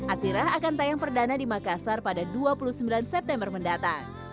atirah akan tayang perdana di makassar pada dua puluh sembilan september mendatang